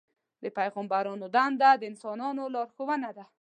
د پیغمبرانو دنده د انسانانو لارښوونه ده.